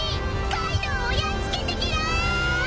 カイドウをやっつけてけろ！］